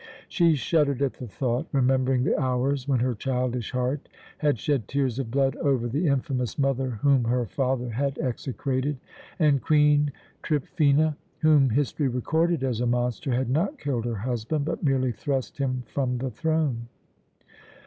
She shuddered at the thought, remembering the hours when her childish heart had shed tears of blood over the infamous mother whom her father had execrated. And Queen Tryphœna, whom history recorded as a monster, had not killed her husband, but merely thrust him from the throne.